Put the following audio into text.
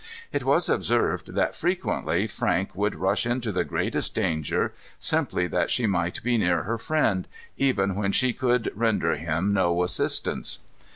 It was observed that frequently Frank would rush into the greatest danger, simply that she might be near her friend, even when she could render him no assistance.